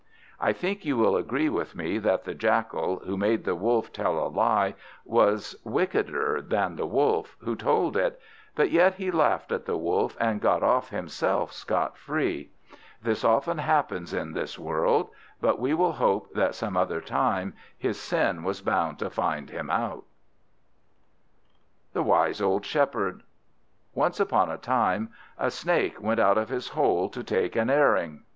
I think you will agree with me, that the Jackal, who made the Wolf tell a lie, was wickeder than the Wolf who told it; but yet he laughed at the Wolf, and got off himself scot free. That often happens in this world; but we will hope that some other time his sin was bound to find him out. The Wise Old Shepherd ONCE upon a time, a snake went out of his hole to take an airing.